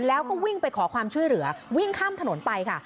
แล้วก็วิ่งไปขอความช่วยเหลือวิ่งข้ามถนนไปค่ะ